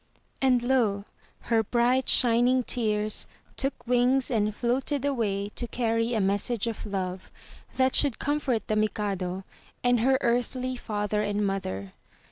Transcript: And lo! her bright, shining tears took wings and floated away to carry a message of love, that should comfort the Mikado, and her earthly father and mother.